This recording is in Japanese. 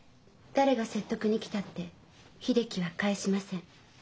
誰が説得に来たって秀樹は返しません。